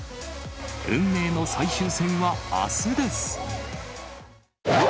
運命の最終戦はあすです。